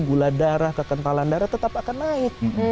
gula darah kekentalan darah tetap akan naik